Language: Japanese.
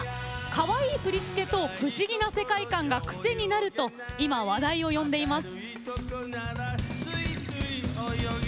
かわいい振り付けと不思議な世界観が癖になると今、話題を呼んでいます。